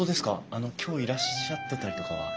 あの今日いらっしゃってたりとかは。